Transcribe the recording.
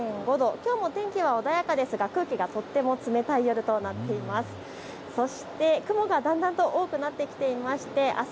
きょうも天気は穏やかですが空気がとっても冷たくなっています。